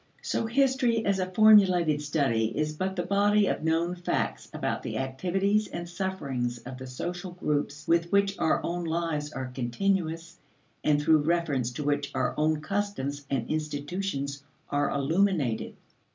So history as a formulated study is but the body of known facts about the activities and sufferings of the social groups with which our own lives are continuous, and through reference to which our own customs and institutions are illuminated.